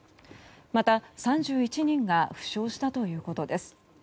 また、３１人が負傷したということです。